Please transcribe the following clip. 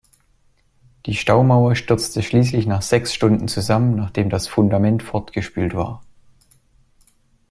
Die Staumauer stürzte schließlich nach sechs Stunden zusammen, nachdem das Fundament fortgespült war.